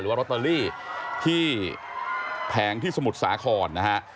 หรือว่ารอตเตอรี่แผงที่สมุทรสาขรนะครับ